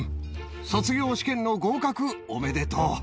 卒業試験の合格おめでとう。